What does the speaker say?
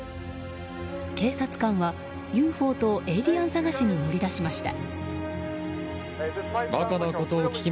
警察官は、ＵＦＯとエイリアン探しに乗り出しました。